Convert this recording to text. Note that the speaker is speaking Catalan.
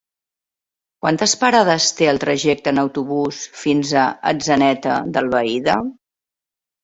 Quantes parades té el trajecte en autobús fins a Atzeneta d'Albaida?